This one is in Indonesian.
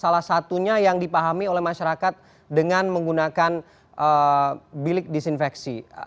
salah satunya yang dipahami oleh masyarakat dengan menggunakan bilik disinfeksi